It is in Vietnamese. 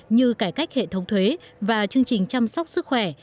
như cải cách hệ thống thuế và chương trình chăm sóc sức khỏe